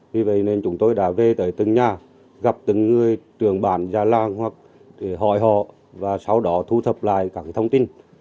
vì vậy nên chúng tôi đã về tới từng nhà gặp từng người trường bản gia lan hoặc hỏi họ và sau đó thu thập lại các thông tin